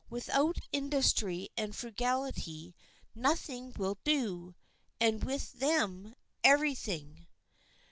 Without industry and frugality nothing will do, and with them every thing.